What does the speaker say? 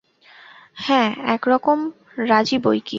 হাঁ, একরকম রাজি বৈকি।